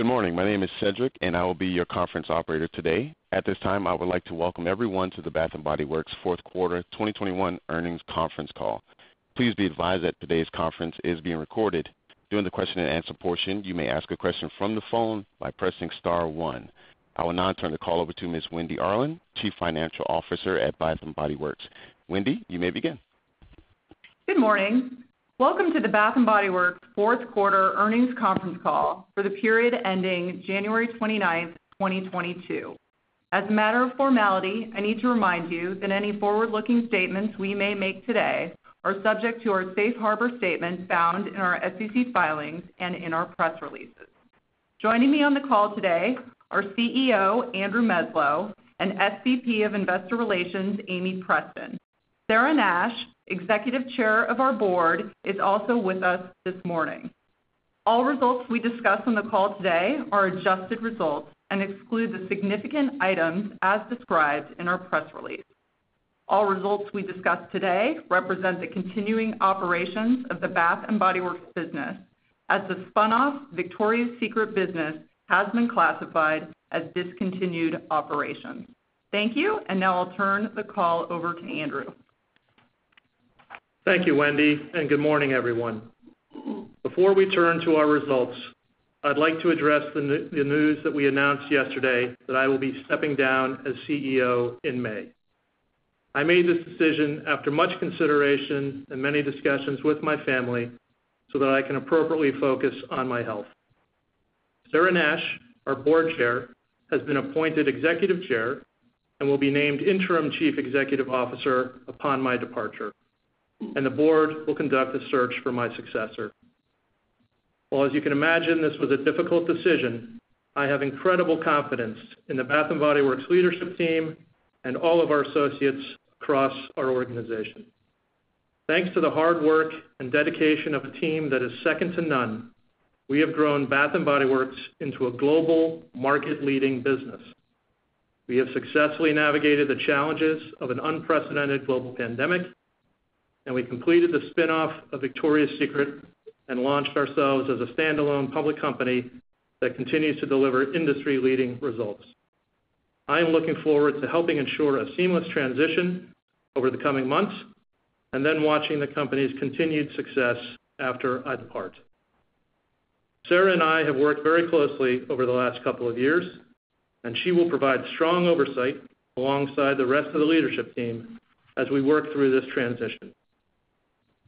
Good morning. My name is Cedric, and I will be your conference operator today. At this time, I would like to welcome everyone to the Bath & Body Works Fourth Quarter 2021 Earnings Conference Call. Please be advised that today's conference is being recorded. During the question and answer portion, you may ask a question from the phone by pressing star one. I will now turn the call over to Ms. Wendy Arlin, Chief Financial Officer at Bath & Body Works. Wendy, you may begin. Good morning. Welcome to the Bath & Body Works Fourth Quarter Earnings Conference Call for the period ending January 29th, 2022. As a matter of formality, I need to remind you that any forward-looking statements we may make today are subject to our safe harbor statement found in our SEC filings and in our press releases. Joining me on the call today are CEO Andrew Meslow and SVP of Investor Relations Amie Preston. Sarah Nash, Executive Chair of our board, is also with us this morning. All results we discuss on the call today are adjusted results and exclude the significant items as described in our press release. All results we discuss today represent the continuing operations of the Bath & Body Works business as the spun off Victoria's Secret business has been classified as discontinued operations. Thank you. Now I'll turn the call over to Andrew. Thank you, Wendy, and good morning, everyone. Before we turn to our results, I'd like to address the news that we announced yesterday that I will be stepping down as CEO in May. I made this decision after much consideration and many discussions with my family so that I can appropriately focus on my health. Sarah Nash, our Board Chair, has been appointed Executive Chair and will be named Interim Chief Executive Officer upon my departure, and the board will conduct a search for my successor. Well, as you can imagine, this was a difficult decision. I have incredible confidence in the Bath & Body Works leadership team and all of our associates across our organization. Thanks to the hard work and dedication of a team that is second to none, we have grown Bath & Body Works into a global market-leading business. We have successfully navigated the challenges of an unprecedented global pandemic, and we completed the spin-off of Victoria's Secret and launched ourselves as a standalone public company that continues to deliver industry-leading results. I am looking forward to helping ensure a seamless transition over the coming months and then watching the company's continued success after I depart. Sarah and I have worked very closely over the last couple of years, and she will provide strong oversight alongside the rest of the leadership team as we work through this transition.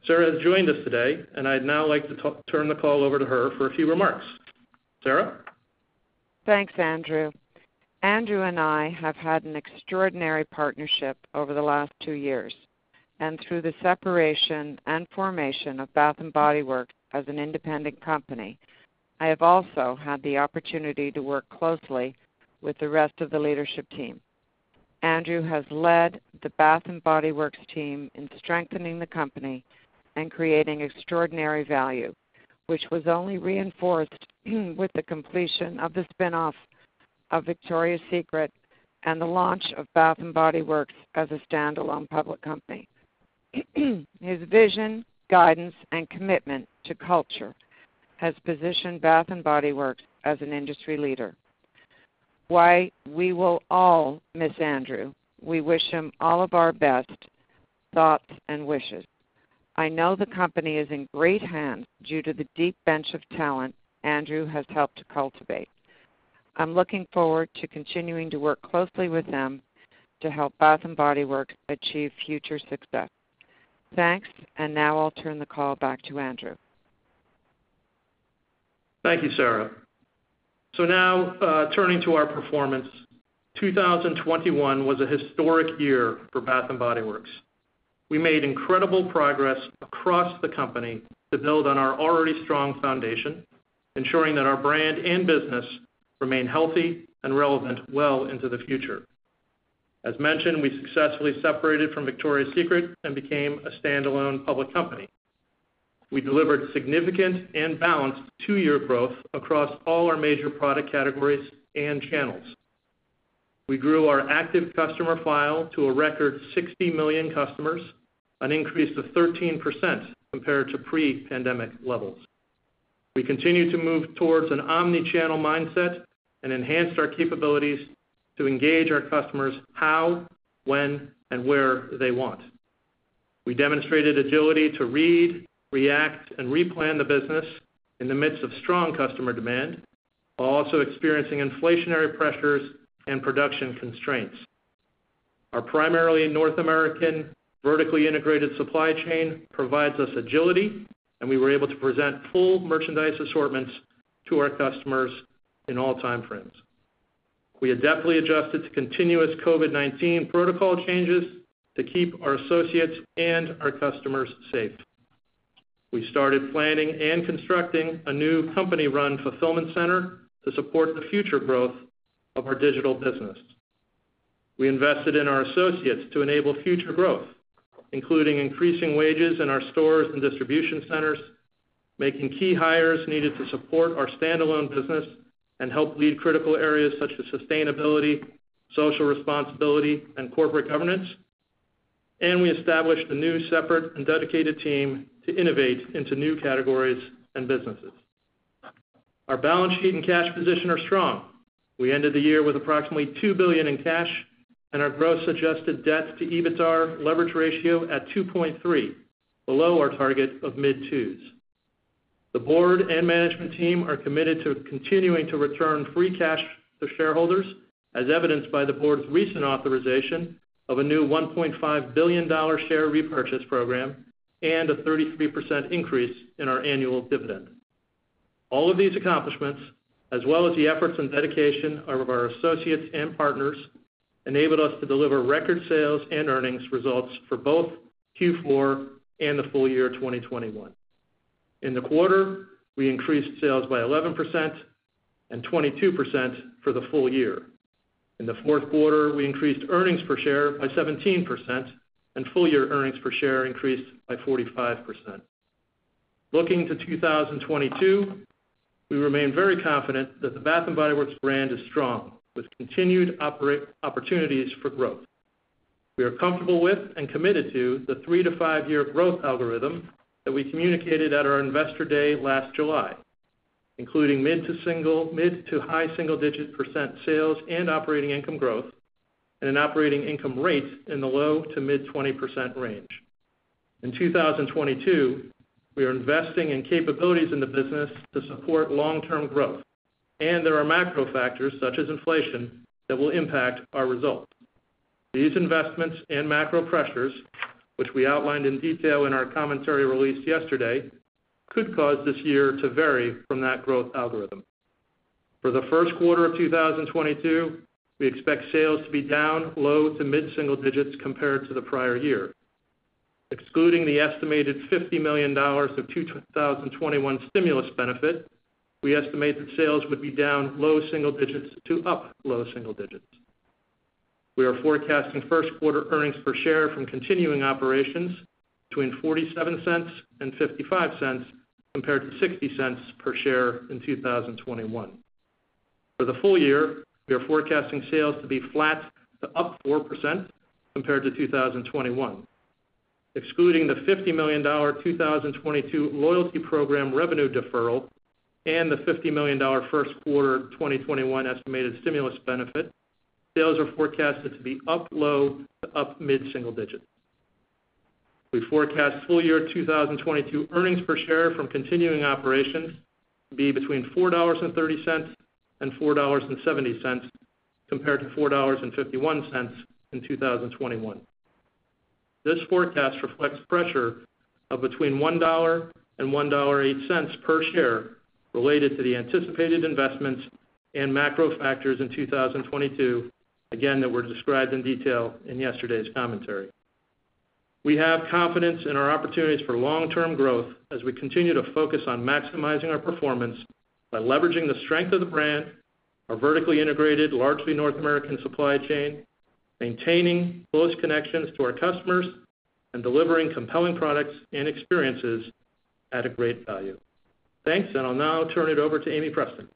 Sarah has joined us today, and I'd now like to turn the call over to her for a few remarks. Sarah. Thanks, Andrew. Andrew and I have had an extraordinary partnership over the last two years. Through the separation and formation of Bath & Body Works as an independent company, I have also had the opportunity to work closely with the rest of the leadership team. Andrew has led the Bath & Body Works team in strengthening the company and creating extraordinary value, which was only reinforced with the completion of the spin-off of Victoria's Secret and the launch of Bath & Body Works as a standalone public company. His vision, guidance, and commitment to culture has positioned Bath & Body Works as an industry leader. While we will all miss Andrew, we wish him all of our best thoughts and wishes. I know the company is in great hands due to the deep bench of talent Andrew has helped to cultivate. I'm looking forward to continuing to work closely with him to help Bath & Body Works achieve future success. Thanks. Now I'll turn the call back to Andrew. Thank you, Sarah. Now, turning to our performance. 2021 was a historic year for Bath & Body Works. We made incredible progress across the company to build on our already strong foundation, ensuring that our brand and business remain healthy and relevant well into the future. As mentioned, we successfully separated from Victoria's Secret and became a standalone public company. We delivered significant and balanced two-year growth across all our major product categories and channels. We grew our active customer file to a record 60 million customers, an increase of 13% compared to pre-pandemic levels. We continue to move towards an omni-channel mindset and enhanced our capabilities to engage our customers how, when, and where they want. We demonstrated agility to read, react, and replan the business in the midst of strong customer demand, while also experiencing inflationary pressures and production constraints. Our primarily North American vertically integrated supply chain provides us agility, and we were able to present full merchandise assortments to our customers in all time frames. We adeptly adjusted to continuous COVID-19 protocol changes to keep our associates and our customers safe. We started planning and constructing a new company-run fulfillment center to support the future growth of our digital business. We invested in our associates to enable future growth, including increasing wages in our stores and distribution centers, making key hires needed to support our standalone business and help lead critical areas such as sustainability, social responsibility, and corporate governance. We established a new, separate and dedicated team to innovate into new categories and businesses. Our balance sheet and cash position are strong. We ended the year with approximately $2 billion in cash and our gross adjusted debt to EBITDAR leverage ratio at 2.3, below our target of mid-2s. The board and management team are committed to continuing to return free cash to shareholders, as evidenced by the board's recent authorization of a new $1.5 billion share repurchase program and a 33% increase in our annual dividend. All of these accomplishments, as well as the efforts and dedication of our associates and partners, enabled us to deliver record sales and earnings results for both Q4 and the full year 2021. In the quarter, we increased sales by 11% and 22% for the full year. In the fourth quarter, we increased earnings per share by 17% and full year earnings per share increased by 45%. Looking to 2022, we remain very confident that the Bath & Body Works brand is strong, with continued opportunities for growth. We are comfortable with and committed to the three- to five-year growth algorithm that we communicated at our Investor Day last July, including mid- to high single-digit% sales and operating income growth and an operating income rate in the low- to mid-20% range. In 2022, we are investing in capabilities in the business to support long-term growth, and there are macro factors, such as inflation, that will impact our results. These investments and macro pressures, which we outlined in detail in our commentary released yesterday, could cause this year to vary from that growth algorithm. For the first quarter of 2022, we expect sales to be down low- to mid-single digits compared to the prior year. Excluding the estimated $50 million of 2021 stimulus benefit, we estimate that sales would be down low single digits to up low single digits. We are forecasting first quarter earnings per share from continuing operations between $0.47 and $0.55, compared to $0.60 per share in 2021. For the full year, we are forecasting sales to be flat to up 4% compared to 2021. Excluding the $50 million 2022 loyalty program revenue deferral and the $50 million first quarter 2021 estimated stimulus benefit, sales are forecasted to be up low- to up mid-single digits. We forecast full year 2022 earnings per share from continuing operations to be between $4.30 and $4.70, compared to $4.51 in 2021. This forecast reflects pressure of between $1 and $1.08 per share related to the anticipated investments and macro factors in 2022, again, that were described in detail in yesterday's commentary. We have confidence in our opportunities for long-term growth as we continue to focus on maximizing our performance by leveraging the strength of the brand, our vertically integrated, largely North American supply chain, maintaining close connections to our customers, and delivering compelling products and experiences at a great value. Thanks, and I'll now turn it over to Amie Preston.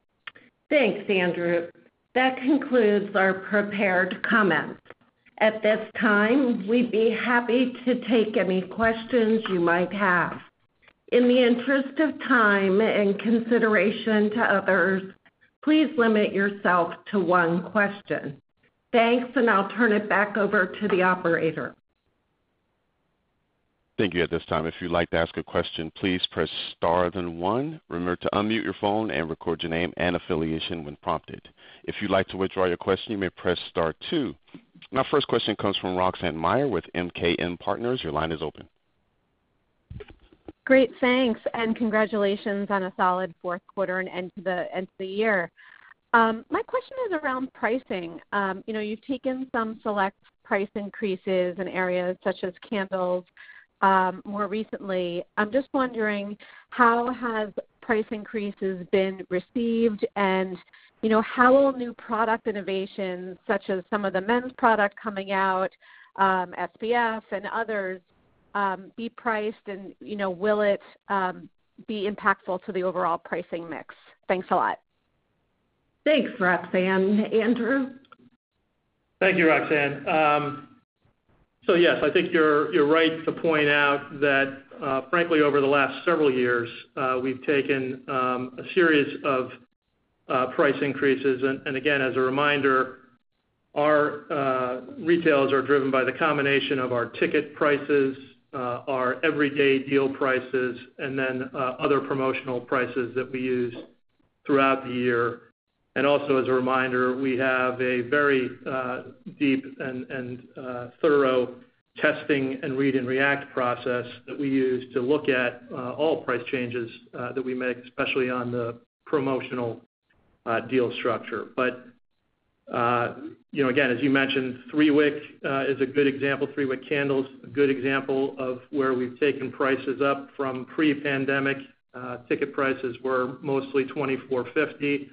Thanks, Andrew. That concludes our prepared comments. At this time, we'd be happy to take any questions you might have. In the interest of time and consideration to others, please limit yourself to one question. Thanks, and I'll turn it back over to the operator. Thank you. My first question comes from Roxanne Meyer with MKM Partners. Your line is open. Great. Thanks, and congratulations on a solid fourth quarter and end to the year. My question is around pricing. You know, you've taken some select price increases in areas such as candles, more recently. I'm just wondering how have price increases been received? You know, how will new product innovations, such as some of the men's product coming out, SPF and others, be priced and, you know, will it be impactful to the overall pricing mix? Thanks a lot. Thanks, Roxanne. Andrew? Thank you, Roxanne. So yes, I think you're right to point out that, frankly, over the last several years, we've taken a series of price increases. Again, as a reminder, our retails are driven by the combination of our ticket prices, our everyday deal prices, and then other promotional prices that we use throughout the year. Also as a reminder, we have a very deep and thorough testing and read and react process that we use to look at all price changes that we make, especially on the promotional deal structure. You know, again, as you mentioned, 3-Wick is a good example. 3-Wick candle's a good example of where we've taken prices up from pre-pandemic. Ticket prices were mostly $24.50.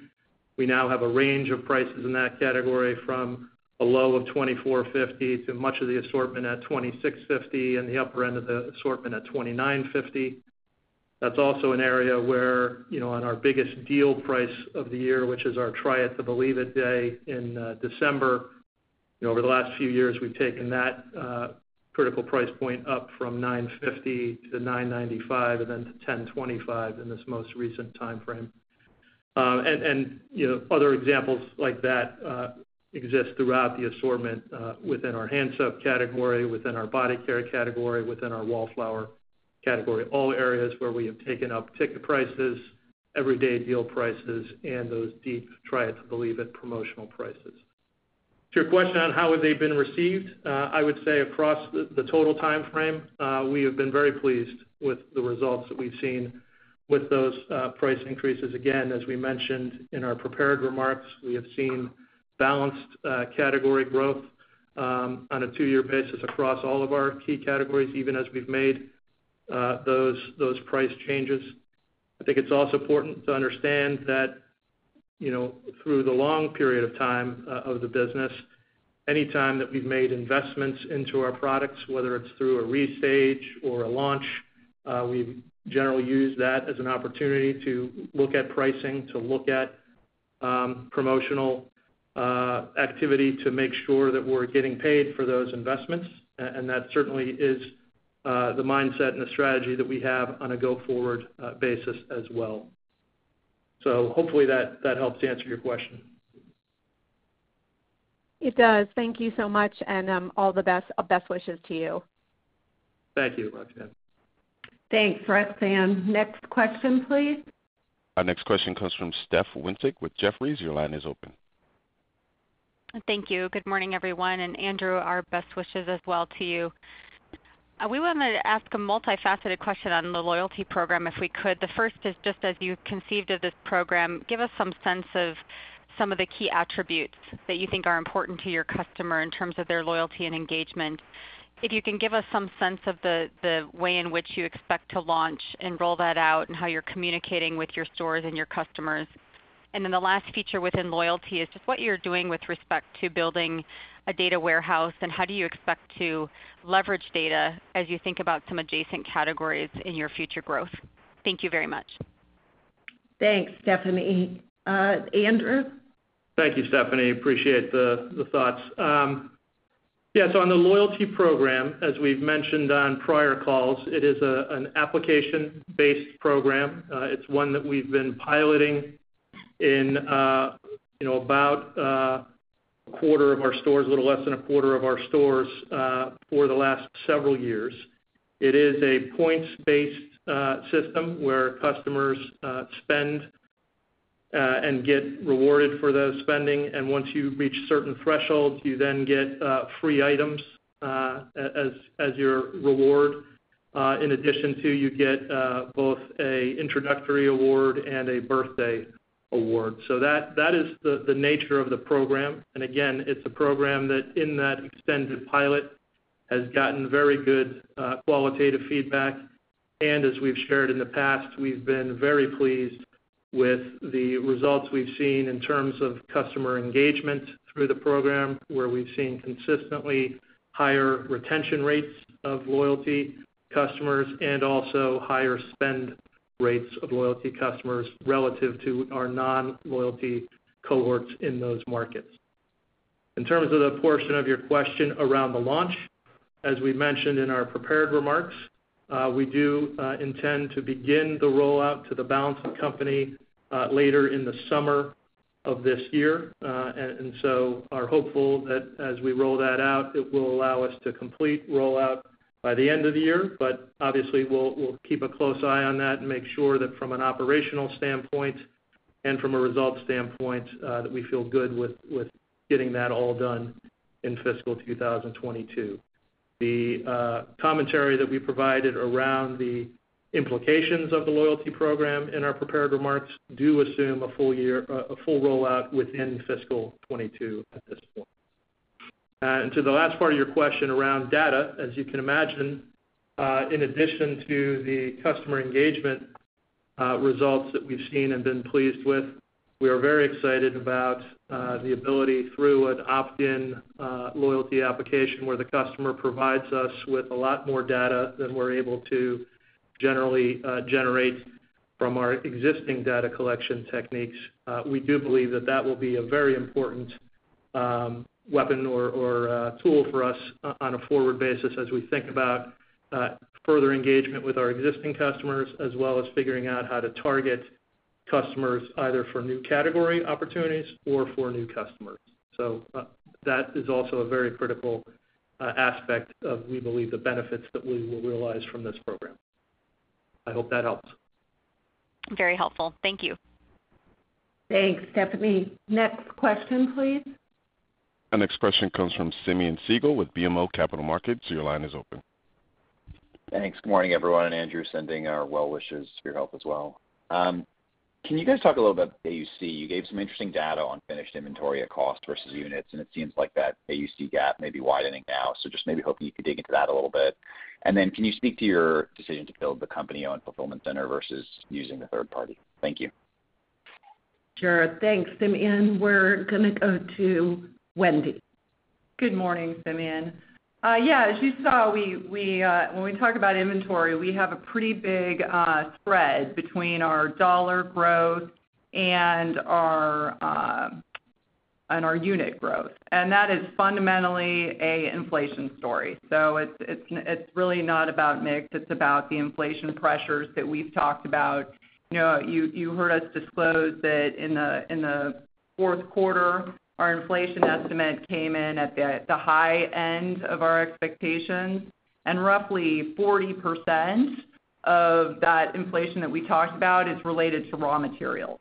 We now have a range of prices in that category from a low of $24.50 to much of the assortment at $26.50 and the upper end of the assortment at $29.50. That's also an area where, you know, on our biggest deal price of the year, which is our Try It To Believe It Day in December. You know, over the last few years, we've taken that critical price point up from $9.50 to $9.95 and then to $10.25 in this most recent timeframe. And, you know, other examples like that exist throughout the assortment within our hand soap category, within our body care category, within our Wallflowers category, all areas where we have taken up ticket prices, everyday deal prices, and those deep Try It To Believe It promotional prices. To your question on how have they been received, I would say across the total timeframe, we have been very pleased with the results that we've seen with those price increases. Again, as we mentioned in our prepared remarks, we have seen balanced category growth on a two-year basis across all of our key categories, even as we've made those price changes. I think it's also important to understand that, you know, through the long period of time of the business, any time that we've made investments into our products, whether it's through a restage or a launch, we've generally used that as an opportunity to look at pricing, to look at promotional activity to make sure that we're getting paid for those investments. that certainly is the mindset and the strategy that we have on a go-forward basis as well. Hopefully that helps to answer your question. It does. Thank you so much, and all the best wishes to you. Thank you, Roxanne. Thanks, Roxanne. Next question, please. Our next question comes from Steph Wissink with Jefferies. Your line is open. Thank you. Good morning, everyone, and Andrew, our best wishes as well to you. We wanted to ask a multifaceted question on the loyalty program, if we could. The first is just as you conceived of this program, give us some sense of some of the key attributes that you think are important to your customer in terms of their loyalty and engagement. If you can give us some sense of the way in which you expect to launch and roll that out and how you're communicating with your stores and your customers. The last feature within loyalty is just what you're doing with respect to building a data warehouse and how do you expect to leverage data as you think about some adjacent categories in your future growth. Thank you very much. Thanks, Stephanie. Andrew? Thank you, Steph. Appreciate the thoughts. Yes, on the loyalty program, as we've mentioned on prior calls, it is an application-based program. It's one that we've been piloting in about a quarter of our stores, a little less than a quarter of our stores, for the last several years. It is a points-based system where customers spend and get rewarded for the spending. Once you reach certain thresholds, you then get free items as your reward. In addition to you get both a introductory award and a birthday award. That is the nature of the program. Again, it's a program that in that extended pilot has gotten very good qualitative feedback. As we've shared in the past, we've been very pleased with the results we've seen in terms of customer engagement through the program, where we've seen consistently higher retention rates of loyalty customers and also higher spend rates of loyalty customers relative to our non-loyalty cohorts in those markets. In terms of the portion of your question around the launch, as we mentioned in our prepared remarks, we do intend to begin the rollout to the balance of the company later in the summer of this year. We are hopeful that as we roll that out, it will allow us to complete rollout by the end of the year. Obviously, we'll keep a close eye on that and make sure that from an operational standpoint and from a result standpoint, that we feel good with getting that all done in fiscal 2022. The commentary that we provided around the implications of the loyalty program in our prepared remarks do assume a full rollout within fiscal 2022 at this point. To the last part of your question around data, as you can imagine, in addition to the customer engagement results that we've seen and been pleased with, we are very excited about the ability through an opt-in loyalty application where the customer provides us with a lot more data than we're able to generally generate from our existing data collection techniques. We do believe that will be a very important weapon or tool for us on a forward basis as we think about further engagement with our existing customers, as well as figuring out how to target customers either for new category opportunities or for new customers. That is also a very critical aspect of, we believe, the benefits that we will realize from this program. I hope that helps. Very helpful. Thank you. Thanks, Stephanie. Next question, please. Our next question comes from Simeon Siegel with BMO Capital Markets. Your line is open. Thanks. Good morning, everyone, and Andrew, sending our well wishes for your health as well. Can you guys talk a little about AUC? You gave some interesting data on finished inventory at cost versus units, and it seems like that AUC gap may be widening now. Just maybe hoping you could dig into that a little bit. Can you speak to your decision to build the company-owned fulfillment center versus using the third party? Thank you. Sure. Thanks, Simeon. We're gonna go to Wendy. Good morning, Simeon. As you saw, when we talk about inventory, we have a pretty big spread between our dollar growth and our unit growth. That is fundamentally an inflation story. It's really not about mix, it's about the inflation pressures that we've talked about. You know, you heard us disclose that in the fourth quarter, our inflation estimate came in at the high end of our expectations, and roughly 40% of that inflation that we talked about is related to raw materials.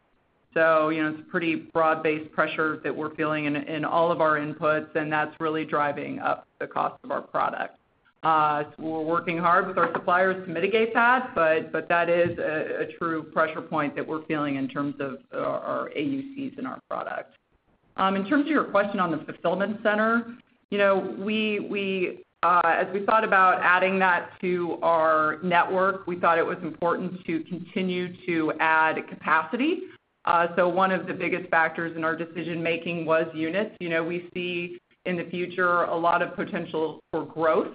You know, it's pretty broad-based pressure that we're feeling in all of our inputs, and that's really driving up the cost of our products. We're working hard with our suppliers to mitigate that, but that is a true pressure point that we're feeling in terms of our AUCs in our product. In terms of your question on the fulfillment center, you know, as we thought about adding that to our network, we thought it was important to continue to add capacity. So one of the biggest factors in our decision-making was units. You know, we see in the future a lot of potential for growth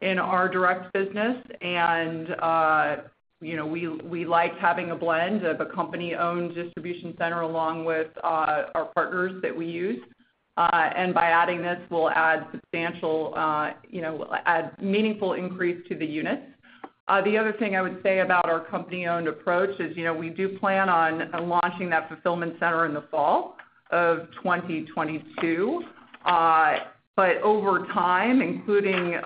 in our direct business and, you know, we like having a blend of a company-owned distribution center along with our partners that we use. By adding this, we'll add substantial, you know, add meaningful increase to the units. The other thing I would say about our company-owned approach is, you know, we do plan on launching that fulfillment center in the fall of 2022. Over time, including in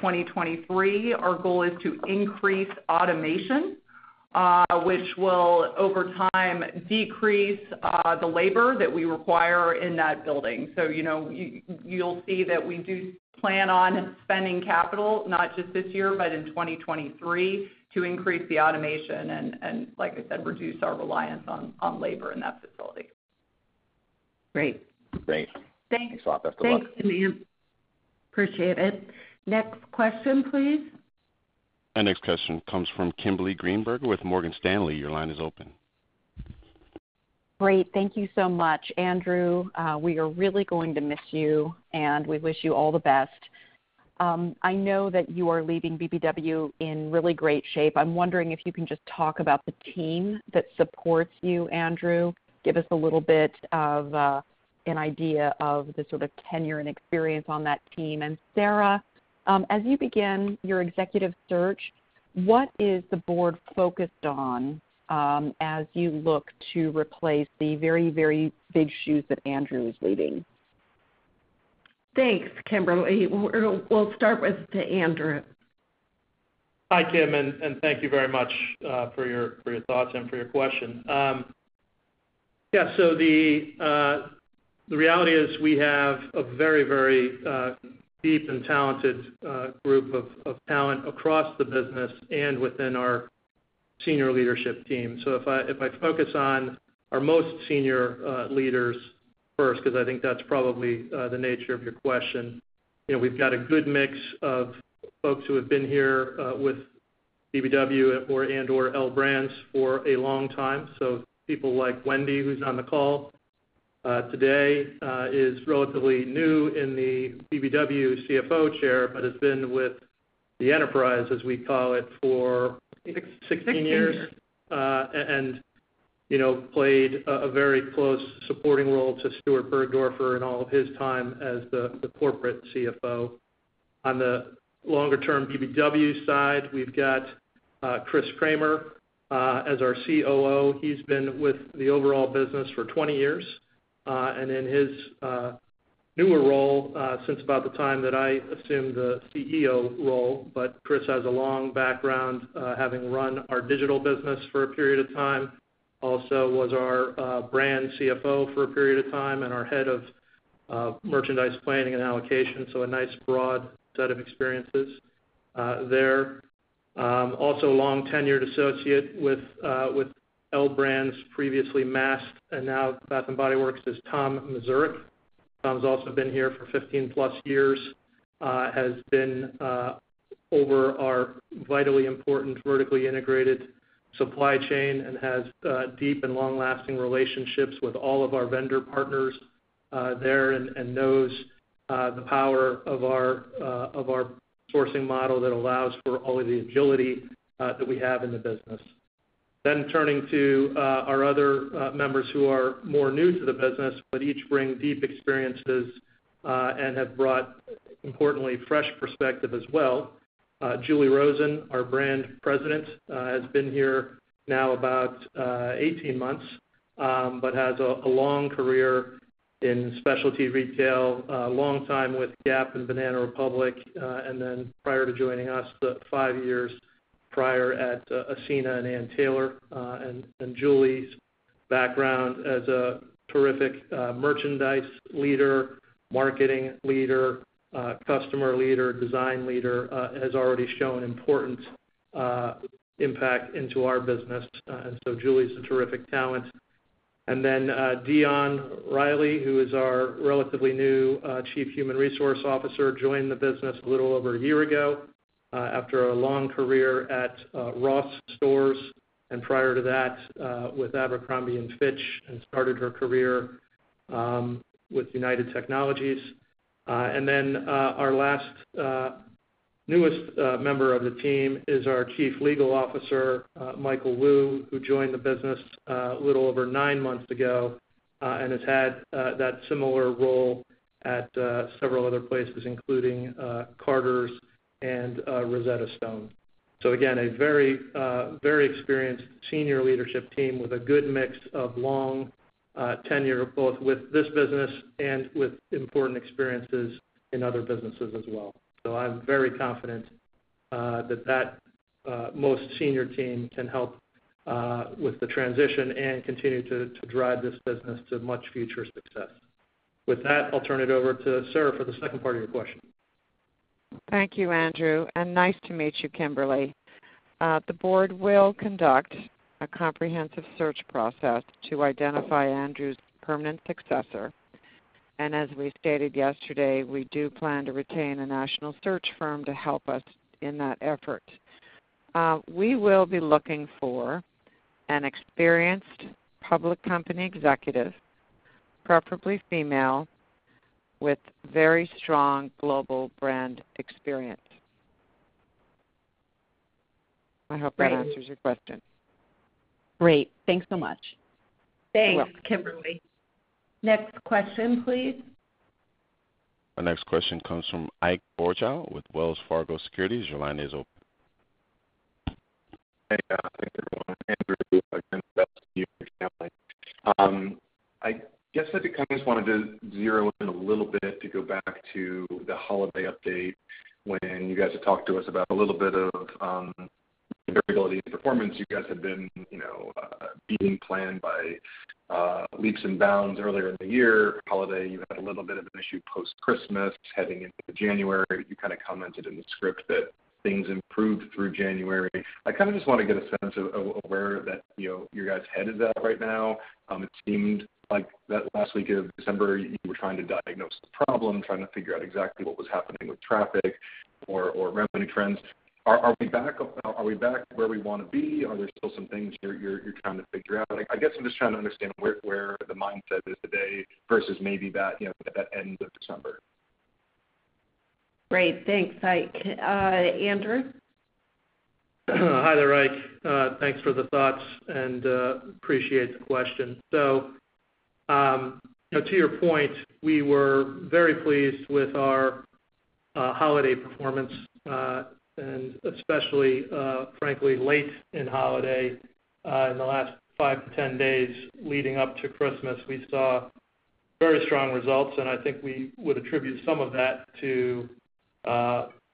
2023, our goal is to increase automation, which will, over time, decrease the labor that we require in that building. You know, you'll see that we do plan on spending capital, not just this year, but in 2023 to increase the automation and like I said, reduce our reliance on labor in that facility. Great. Great. Thanks. Thanks a lot. Best of luck. Thanks, Simeon. Appreciate it. Next question, please. Our next question comes from Kimberly Greenberger with Morgan Stanley. Your line is open. Great. Thank you so much, Andrew. We are really going to miss you, and we wish you all the best. I know that you are leaving BBW in really great shape. I'm wondering if you can just talk about the team that supports you, Andrew. Give us a little bit of an idea of the sort of tenure and experience on that team. Sarah, as you begin your executive search, what is the board focused on, as you look to replace the very, very big shoes that Andrew is leaving? Thanks, Kimberly. We'll start with Andrew. Hi, Kim, and thank you very much for your thoughts and for your question. Yeah, the reality is we have a very deep and talented group of talent across the business and within our senior leadership team. If I focus on our most senior leaders first, 'cause I think that's probably the nature of your question. You know, we've got a good mix of folks who have been here with BBW or and/or L Brands for a long time. People like Wendy, who's on the call today, is relatively new in the BBW CFO chair, but has been with the enterprise, as we call it, for 16 years. You know, played a very close supporting role to Stuart Burgdoerfer in all of his time as the corporate CFO. On the longer term BBW side, we've got Chris Cramer as our COO. He's been with the overall business for 20 years, and in his newer role since about the time that I assumed the CEO role. Chris has a long background, having run our digital business for a period of time, also was our brand CFO for a period of time, and our head of merchandise planning and allocation. A nice broad set of experiences there. Also long-tenured associate with L Brands, previously Mast, and now Bath & Body Works is Tom Mazurek. Tom's also been here for 15+ years, has been over our vitally important vertically integrated supply chain and has deep and long-lasting relationships with all of our vendor partners there and knows the power of our sourcing model that allows for all of the agility that we have in the business. Turning to our other members who are more new to the business, but each bring deep experiences and have brought, importantly, fresh perspective as well. Julie Rosen, our Brand President, has been here now about 18 months, but has a long career in specialty retail, long time with Gap and Banana Republic, and then prior to joining us, the 5 years prior at Ascena and Ann Taylor. Julie's background as a terrific merchandise leader, marketing leader, customer leader, design leader has already shown important impact into our business. Julie's a terrific talent. Deon Riley, who is our relatively new Chief Human Resources Officer, joined the business a little over a year ago, after a long career at Ross Stores and prior to that with Abercrombie & Fitch, and started her career with United Technologies. Our last newest member of the team is our Chief Legal Officer, Michael Wu, who joined the business a little over nine months ago and has had that similar role at several other places, including Carter's and Rosetta Stone. Again, a very experienced senior leadership team with a good mix of long tenure, both with this business and with important experiences in other businesses as well. I'm very confident that most senior team can help with the transition and continue to drive this business to much future success. With that, I'll turn it over to Sarah for the second part of your question. Thank you, Andrew, and nice to meet you, Kimberly. The board will conduct a comprehensive search process to identify Andrew's permanent successor. As we stated yesterday, we do plan to retain a national search firm to help us in that effort. We will be looking for an experienced public company executive, preferably female, with very strong global brand experience. I hope that answers your question. Great. Thanks so much. You're welcome. Thanks, Kimberly. Next question, please. The next question comes from Ike Boruchow with Wells Fargo Securities. Your line is open. Hey, thank you, everyone. Andrew, best to you and your family. I guess I just kind of wanted to zero in a little bit to go back to the holiday update when you guys had talked to us about a little bit of variability in performance. You guys had been, you know, beating plan by leaps and bounds earlier in the year. Holiday, you had a little bit of an issue post-Christmas heading into January. You kind of commented in the script that things improved through January. I kind of just wanna get a sense of where that, you know, you guys headed at right now. It seemed like that last week of December, you were trying to diagnose the problem, trying to figure out exactly what was happening with traffic or revenue trends. Are we back where we wanna be? Are there still some things you're trying to figure out? I guess I'm just trying to understand where the mindset is today versus maybe that, you know, at that end of December. Great. Thanks, Ike. Andrew? Hi there, Ike. Thanks for the thoughts and appreciate the question. To your point, we were very pleased with our holiday performance, and especially, frankly, late in holiday, in the last 5-10 days leading up to Christmas, we saw very strong results. I think we would attribute some of that to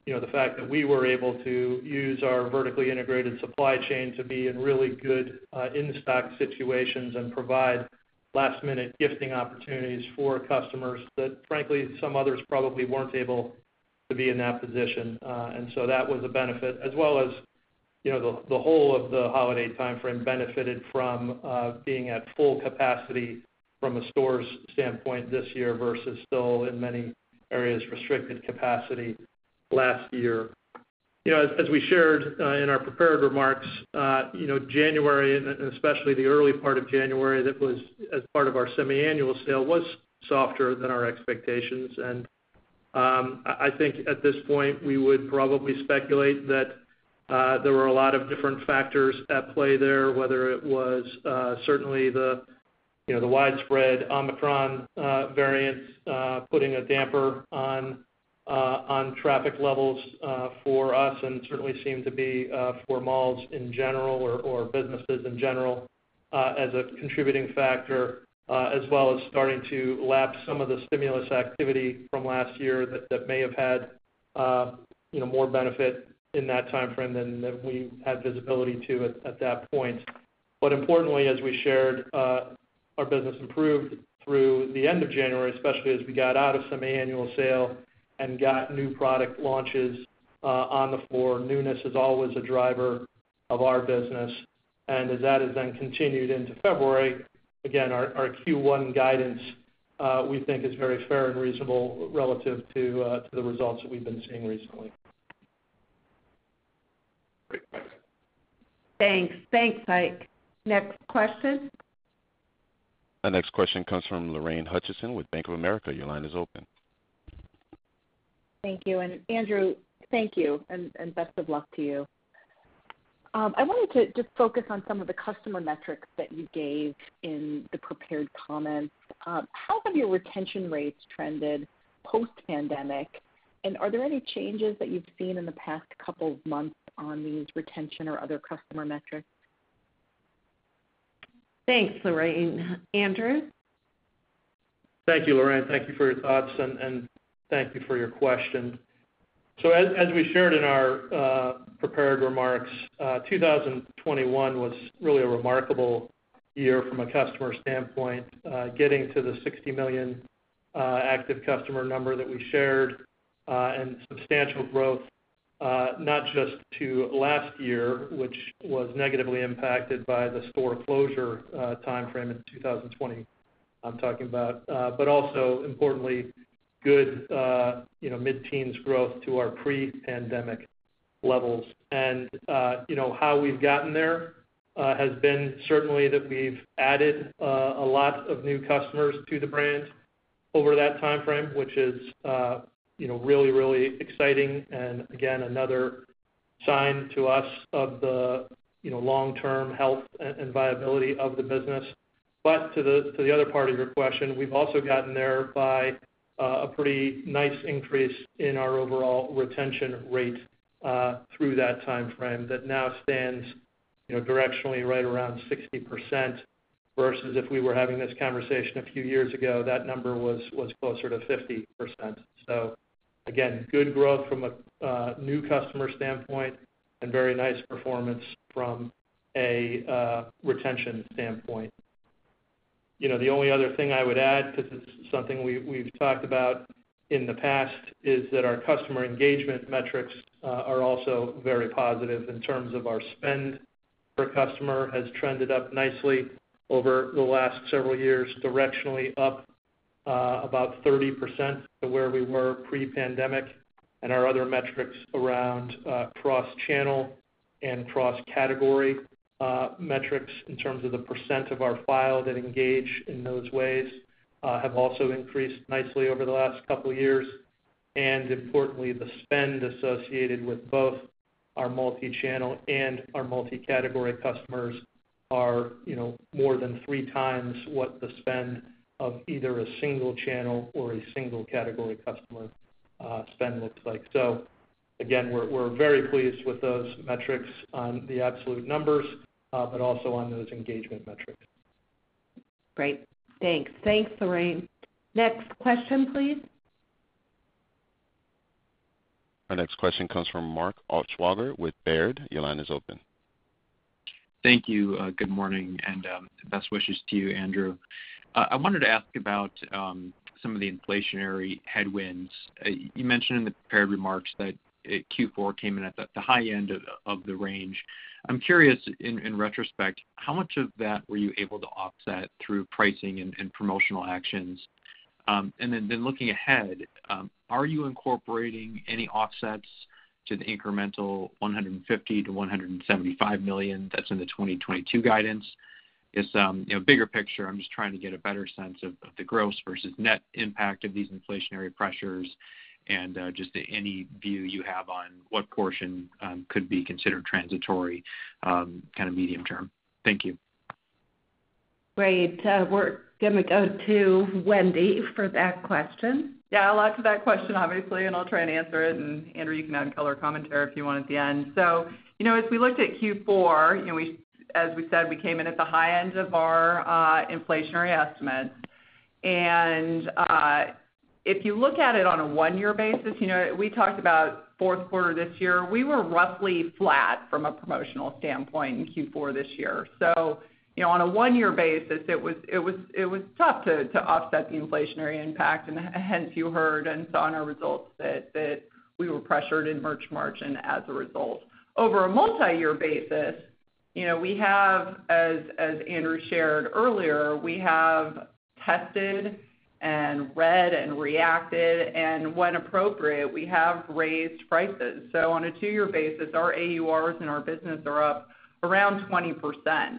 you know, the fact that we were able to use our vertically integrated supply chain to be in really good in-stock situations and provide last-minute gifting opportunities for customers that frankly, some others probably weren't able to be in that position. That was a benefit as well as you know, the whole of the holiday timeframe benefited from being at full capacity from a stores standpoint this year versus still in many areas restricted capacity last year. You know, as we shared in our prepared remarks, you know, January and especially the early part of January, that was as part of our semiannual sale, was softer than our expectations. I think at this point, we would probably speculate that there were a lot of different factors at play there, whether it was certainly the, you know, the widespread Omicron variant putting a damper on on traffic levels for us and certainly seemed to be for malls in general or businesses in general as a contributing factor. As well as starting to lap some of the stimulus activity from last year that may have had you know more benefit in that timeframe than we had visibility to at that point. Importantly, as we shared, our business improved through the end of January, especially as we got out of semiannual sale and got new product launches on the floor. Newness is always a driver of our business. As that has then continued into February, again, our Q1 guidance we think is very fair and reasonable relative to the results that we've been seeing recently. Great. Thanks. Thanks. Thanks, Ike. Next question. The next question comes from Lorraine Hutchinson with Bank of America. Your line is open. Thank you. Andrew, thank you and best of luck to you. I wanted to focus on some of the customer metrics that you gave in the prepared comments. How have your retention rates trended post-pandemic? Are there any changes that you've seen in the past couple of months on these retention or other customer metrics? Thanks, Lorraine. Andrew? Thank you, Lorraine. Thank you for your thoughts and thank you for your question. So as we shared in our prepared remarks, 2021 was really a remarkable year from a customer standpoint, getting to the 60 million active customer number that we shared, and substantial growth, not just to last year, which was negatively impacted by the store closure timeframe in 2020. I'm talking about, but also importantly, good you know mid-teens growth to our pre-pandemic levels. You know, how we've gotten there has been certainly that we've added a lot of new customers to the brand over that timeframe, which is you know really really exciting. Again, another sign to us of the you know long-term health and viability of the business. To the other part of your question, we've also gotten there by a pretty nice increase in our overall retention rate through that timeframe that now stands, you know, directionally right around 60%, versus if we were having this conversation a few years ago, that number was closer to 50%. So again, good growth from a new customer standpoint and very nice performance from a retention standpoint. You know, the only other thing I would add, because it's something we've talked about in the past, is that our customer engagement metrics are also very positive in terms of our spend per customer has trended up nicely over the last several years, directionally up about 30% to where we were pre-pandemic. Our other metrics around cross-channel and cross-category metrics in terms of the percent of our file that engage in those ways have also increased nicely over the last couple years. Importantly, the spend associated with both our multi-channel and our multi-category customers are, you know, more than three times what the spend of either a single channel or a single category customer spend looks like. Again, we're very pleased with those metrics on the absolute numbers but also on those engagement metrics. Great. Thanks. Thanks, Lorraine. Next question, please. Our next question comes from Mark Altschwager with Baird. Your line is open. Thank you. Good morning, and best wishes to you, Andrew. I wanted to ask about some of the inflationary headwinds. You mentioned in the prepared remarks that Q4 came in at the high end of the range. I'm curious in retrospect, how much of that were you able to offset through pricing and promotional actions? Then looking ahead, are you incorporating any offsets to the incremental $150 million-$175 million that's in the 2022 guidance? Just you know, bigger picture, I'm just trying to get a better sense of the gross versus net impact of these inflationary pressures and just any view you have on what portion could be considered transitory kind of medium term. Thank you. Great. We're gonna go to Wendy for that question. Yeah, I'll add to that question obviously, and I'll try and answer it. Andrew, you can add color commentary if you want at the end. As we looked at Q4, as we said, we came in at the high end of our inflationary estimates. If you look at it on a one-year basis, we talked about fourth quarter this year, we were roughly flat from a promotional standpoint in Q4 this year. On a one-year basis, it was tough to offset the inflationary impact. Hence you heard and saw in our results that we were pressured in merch margin as a result. Over a multi-year basis, as Andrew shared earlier, we have tested and read and reacted. When appropriate, we have raised prices. On a two-year basis, our AURs in our business are up around 20%.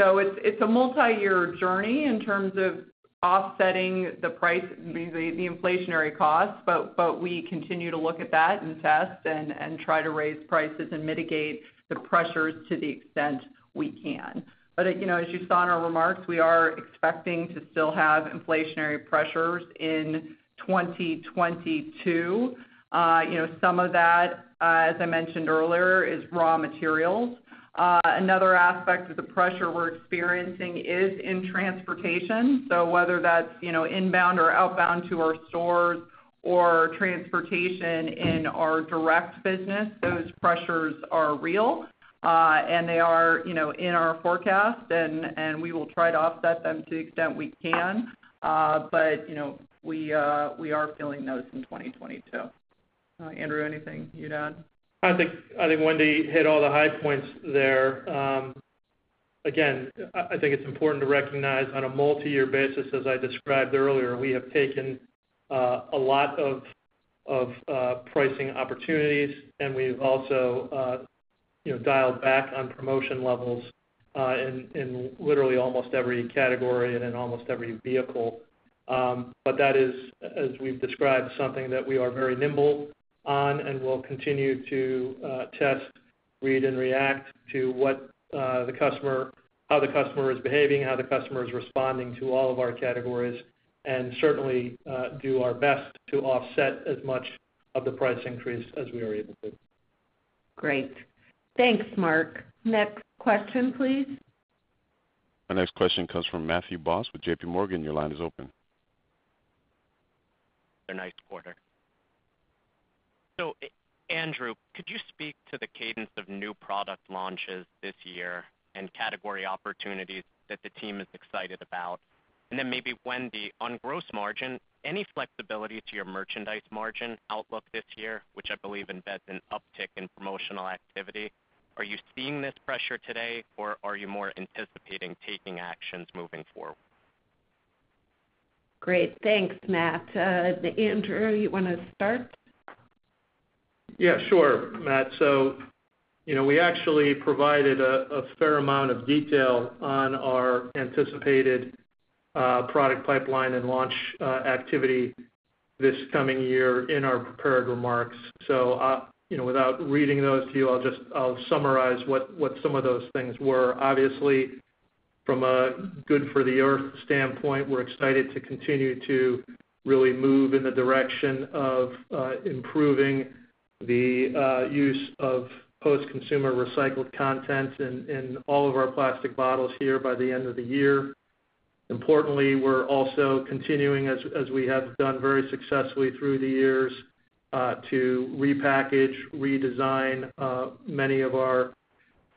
It's a multi-year journey in terms of offsetting the price, the inflationary costs, but we continue to look at that and test and try to raise prices and mitigate the pressures to the extent we can. You know, as you saw in our remarks, we are expecting to still have inflationary pressures in 2022. You know, some of that, as I mentioned earlier, is raw materials. Another aspect of the pressure we're experiencing is in transportation. Whether that's, you know, inbound or outbound to our stores or transportation in our direct business, those pressures are real, and they are, you know, in our forecast and we will try to offset them to the extent we can. you know, we are feeling those in 2022. Andrew, anything you'd add? I think Wendy hit all the high points there. Again, I think it's important to recognize on a multi-year basis, as I described earlier, we have taken a lot of pricing opportunities, and we've also you know, dialed back on promotion levels in literally almost every category and in almost every vehicle. That is, as we've described, something that we are very nimble on and will continue to test, read, and react to how the customer is behaving, how the customer is responding to all of our categories, and certainly do our best to offset as much of the price increase as we are able to. Great. Thanks, Mark. Next question, please. Our next question comes from Matthew Boss with J.P. Morgan. Your line is open. A nice quarter. Andrew, could you speak to the cadence of new product launches this year and category opportunities that the team is excited about? Maybe Wendy, on gross margin, any flexibility to your merchandise margin outlook this year, which I believe embeds an uptick in promotional activity. Are you seeing this pressure today, or are you more anticipating taking actions moving forward? Great. Thanks, Matt. Andrew, you wanna start? Yeah, sure, Matt. You know, we actually provided a fair amount of detail on our anticipated product pipeline and launch activity this coming year in our prepared remarks. You know, without reading those to you, I'll summarize what some of those things were. Obviously, from a good for the Earth standpoint, we're excited to continue to really move in the direction of improving the use of post-consumer recycled content in all of our plastic bottles here by the end of the year. Importantly, we're also continuing as we have done very successfully through the years to repackage, redesign many of our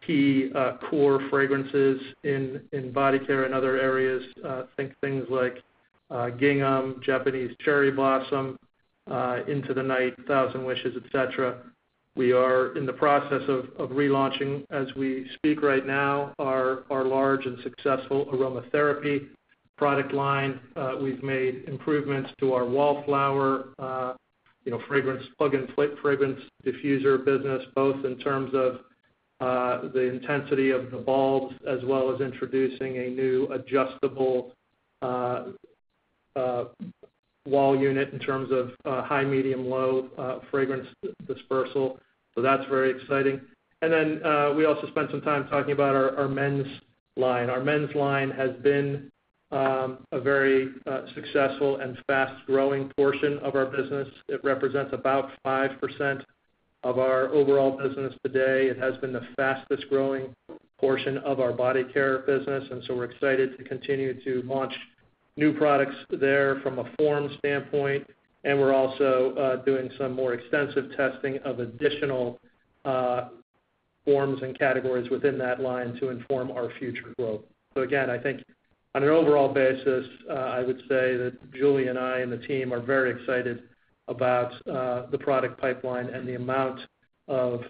key core fragrances in body care and other areas, think things like Gingham, Japanese Cherry Blossom, Into the Night, A Thousand Wishes, et cetera. We are in the process of relaunching as we speak right now, our large and successful aromatherapy product line. We've made improvements to our Wallflowers, you know, Fragrance Plug and Fragrance Diffuser business, both in terms of the intensity of the bulbs as well as introducing a new adjustable wall unit in terms of high, medium, low fragrance dispersal. That's very exciting. We also spent some time talking about our men's line. Our men's line has been a very successful and fast-growing portion of our business. It represents about 5% of our overall business today. It has been the fastest growing portion of our body care business, and so we're excited to continue to launch new products there from a form standpoint. We're also doing some more extensive testing of additional forms and categories within that line to inform our future growth. Again, I think on an overall basis, I would say that Julie and I and the team are very excited about the product pipeline and the amount of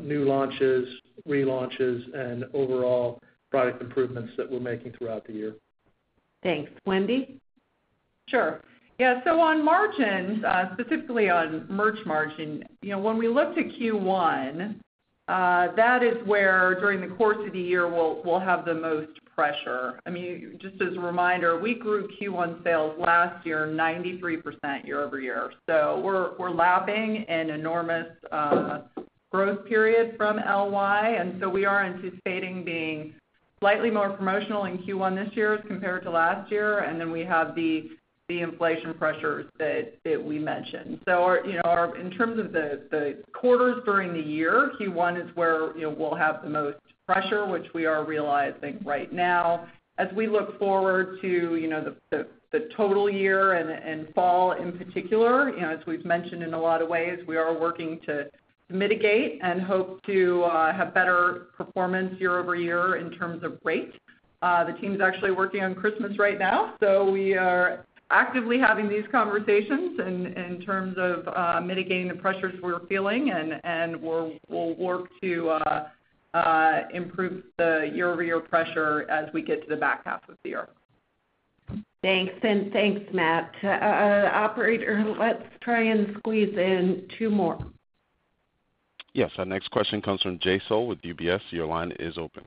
new launches, relaunches and overall product improvements that we're making throughout the year. Thanks. Wendy? Sure. Yeah, so on margins, specifically on merch margin, you know, when we look to Q1, that is where during the course of the year we'll have the most pressure. I mean, just as a reminder, we grew Q1 sales last year 93% year-over-year. We're lapping an enormous growth period from LY. We are anticipating being slightly more promotional in Q1 this year as compared to last year. We have the inflation pressures that we mentioned. Our, you know, in terms of the quarters during the year, Q1 is where, you know, we'll have the most pressure, which we are realizing right now. As we look forward to, you know, the total year and fall in particular, you know, as we've mentioned in a lot of ways, we are working to mitigate and hope to have better performance year-over-year in terms of rate. The team's actually working on Christmas right now, so we are actively having these conversations in terms of mitigating the pressures we're feeling, and we'll work to improve the year-over-year pressure as we get to the back half of the year. Thanks, and thanks, Matt. Operator, let's try and squeeze in two more. Yes. Our next question comes from Jay Sole with UBS. Your line is open.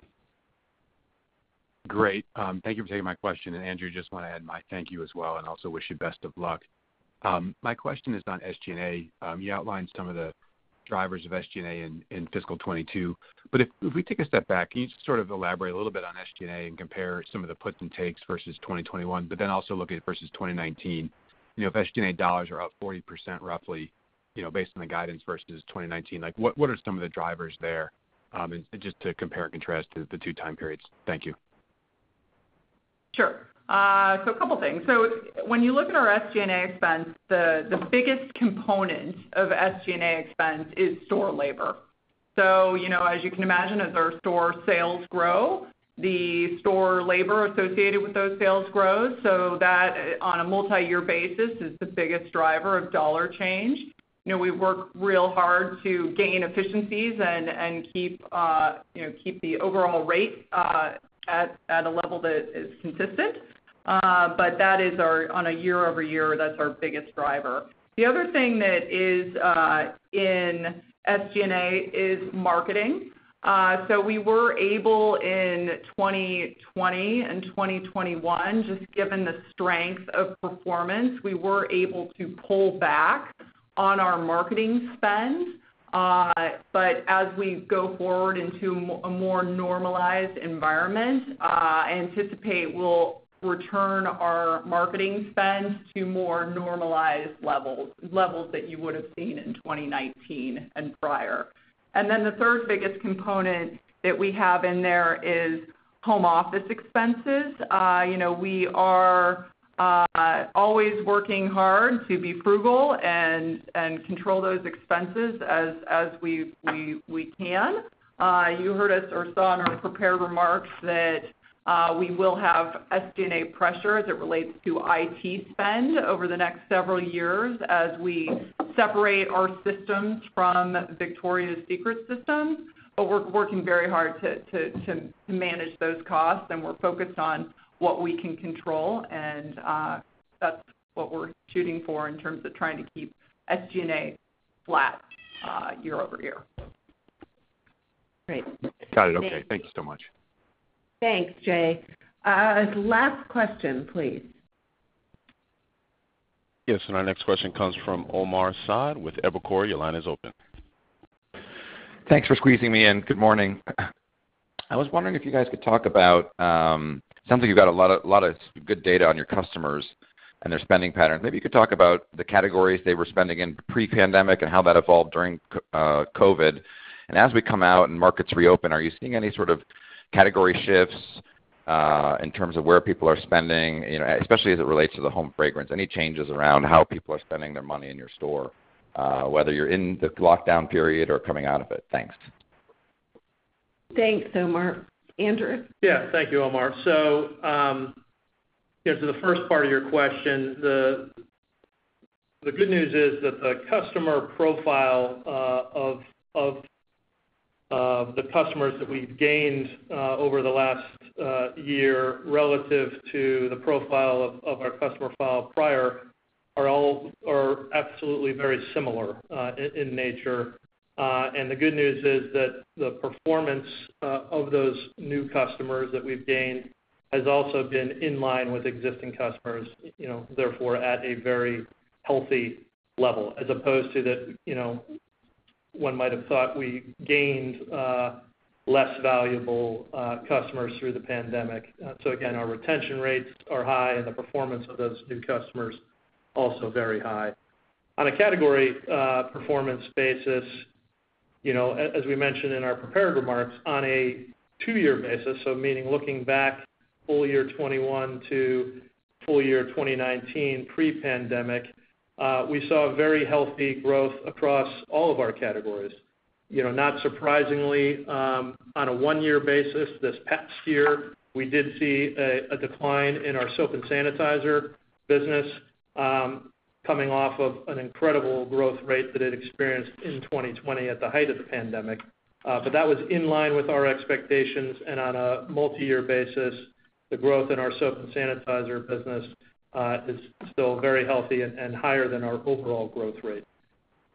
Great. Thank you for taking my question. Andrew, just wanna add my thank you as well, and also wish you best of luck. My question is on SG&A. You outlined some of the drivers of SG&A in fiscal 2022. If we take a step back, can you just sort of elaborate a little bit on SG&A and compare some of the puts and takes versus 2021, but then also look at it versus 2019? You know, if SG&A dollars are up 40% roughly, you know, based on the guidance versus 2019, like what are some of the drivers there, and just to compare and contrast to the two time periods? Thank you. Sure. A couple things. When you look at our SG&A expense, the biggest component of SG&A expense is store labor. You know, as you can imagine, as our store sales grow, the store labor associated with those sales grows. That, on a multiyear basis, is the biggest driver of dollar change. You know, we work real hard to gain efficiencies and keep, you know, the overall rate at a level that is consistent. But that is our biggest driver on a year-over-year. The other thing that is in SG&A is marketing. We were able in 2020 and 2021, just given the strength of performance, to pull back on our marketing spend. As we go forward into a more normalized environment, I anticipate we'll return our marketing spend to more normalized levels that you would have seen in 2019 and prior. Then the third biggest component that we have in there is home office expenses. You know, we are always working hard to be frugal and control those expenses as we can. You heard us or saw in our prepared remarks that we will have SG&A pressure as it relates to IT spend over the next several years as we separate our systems from Victoria's Secret systems. We're working very hard to manage those costs, and we're focused on what we can control. That's what we're shooting for in terms of trying to keep SG&A. Flat, year-over-year. Great. Got it. Okay. Thank you so much. Thanks, Jay. Last question, please. Yes, our next question comes from Omar Saad with Evercore. Your line is open. Thanks for squeezing me in. Good morning. I was wondering if you guys could talk about sounds like you've got a lot of good data on your customers and their spending patterns. Maybe you could talk about the categories they were spending in pre-pandemic and how that evolved during COVID. As we come out and markets reopen, are you seeing any sort of category shifts in terms of where people are spending, you know, especially as it relates to the home fragrance? Any changes around how people are spending their money in your store, whether you're in the lockdown period or coming out of it? Thanks. Thanks, Omar. Andrew? Yeah. Thank you, Omar. To the first part of your question, the good news is that the customer profile of the customers that we've gained over the last year relative to the profile of our customer file prior are absolutely very similar in nature. The good news is that the performance of those new customers that we've gained has also been in line with existing customers, you know, therefore at a very healthy level, as opposed to that, you know, one might have thought we gained less valuable customers through the pandemic. Again, our retention rates are high, and the performance of those new customers also very high. On a category performance basis, you know, as we mentioned in our prepared remarks, on a two-year basis, so meaning looking back full year 2021 to full year 2019 pre-pandemic, we saw very healthy growth across all of our categories. You know, not surprisingly, on a one-year basis, this past year, we did see a decline in our soap and sanitizer business, coming off of an incredible growth rate that it experienced in 2020 at the height of the pandemic. That was in line with our expectations, and on a multi-year basis, the growth in our soap and sanitizer business is still very healthy and higher than our overall growth rate.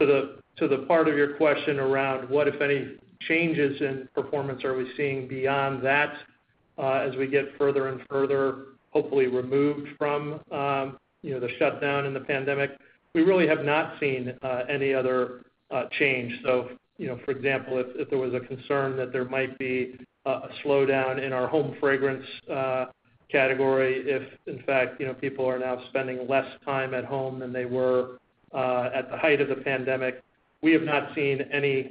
To the part of your question around what, if any, changes in performance are we seeing beyond that, as we get further and further, hopefully removed from, you know, the shutdown and the pandemic, we really have not seen any other change. You know, for example, if there was a concern that there might be a slowdown in our home fragrance category if in fact, you know, people are now spending less time at home than they were at the height of the pandemic, we have not seen any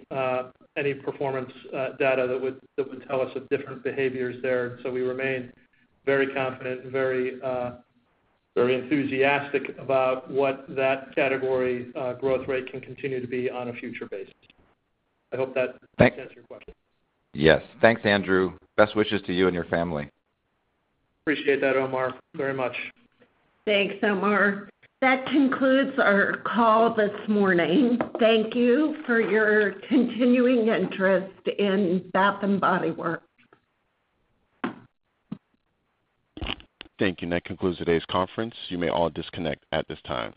performance data that would tell us of different behaviors there. We remain very confident and very enthusiastic about what that category growth rate can continue to be on a future basis. I hope that Thank answers your question. Yes. Thanks, Andrew. Best wishes to you and your family. Appreciate that, Omar, very much. Thanks, Omar. That concludes our call this morning. Thank you for your continuing interest in Bath & Body Works. Thank you. That concludes today's conference. You may all disconnect at this time.